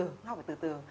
nó phải học từ từ